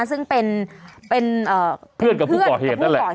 ซึ่งเป็นเพื่อนกับผู้ก่อเหตุ